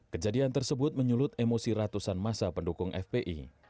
kejadian tersebut menyulut emosi ratusan masa pendukung fpi